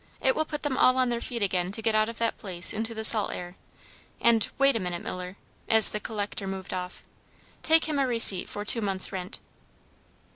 It will put them all on their feet again to get out of that place into the salt air, and, wait a minute, Miller," as the collector moved off, "take him a receipt for two months' rent."